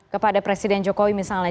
kepada presiden jokowi misalnya